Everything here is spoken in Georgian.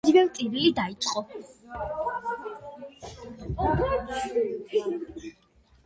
ორივემ ტირილი დაიწყო.